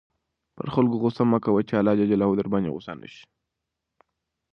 پر خلکو غصه مه کوه چې اللهﷻ درباندې غصه نه شي.